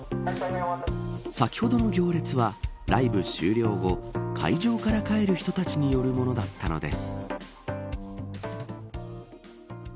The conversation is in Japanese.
先ほどの行列はライブ終了後会場から帰る人たちによるものだったのです。